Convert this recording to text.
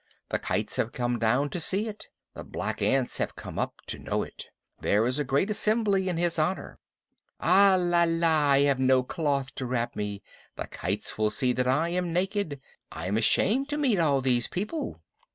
The kites have come down to see it. The black ants have come up to know it. There is a great assembly in his honor. Alala! I have no cloth to wrap me. The kites will see that I am naked. I am ashamed to meet all these people.